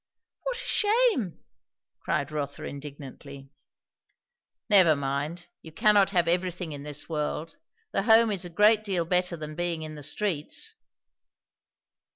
"What a shame!" cried Rotha indignantly. "Never mind; you cannot have everything in this world; the Home is a great deal better than being in the streets."